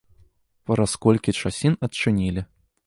Праз колькі часін адчынілі.